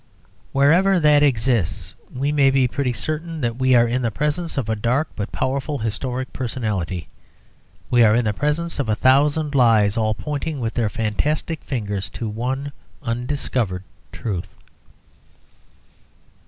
Wherever that exists we may be pretty certain that we are in the presence of a dark but powerful historic personality. We are in the presence of a thousand lies all pointing with their fantastic fingers to one undiscovered truth.